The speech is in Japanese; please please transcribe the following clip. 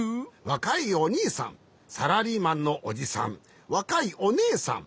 わかいおにいさんサラリーマンのおじさんわかいおねえさん。